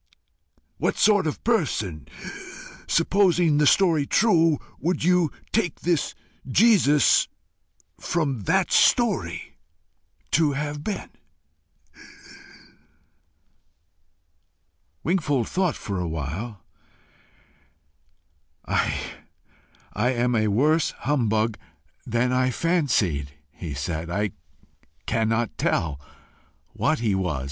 What sort of person, supposing the story true, would you take this Jesus, from that story, to have been?" Wingfold thought for a while. "I am a worse humbug than I fancied," he said. "I cannot tell what he was.